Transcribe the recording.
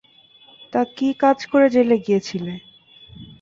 তা কী কাজ করে জেলে গিয়েছিলে?